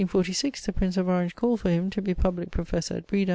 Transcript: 1646, the Prince of Orange called for him to be publique professor at Breda.